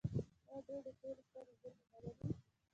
آیا دوی د تیلو سترې زیرمې نلري؟